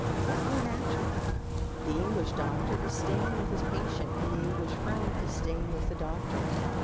What more natural? The English doctor is staying with his patient, and the English friend is staying with the doctor.